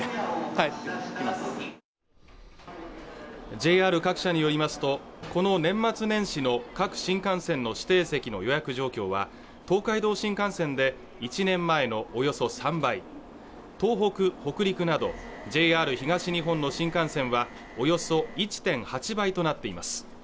ＪＲ各社によりますとこの年末年始の各新幹線の指定席の予約状況は東海道新幹線で１年前のおよそ３倍東北北陸などＪＲ東日本の新幹線はおよそ１．８倍となっています